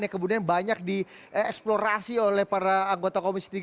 yang kemudian banyak dieksplorasi oleh para anggota komisi tiga